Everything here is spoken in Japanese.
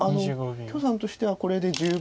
許さんとしてはこれで十分。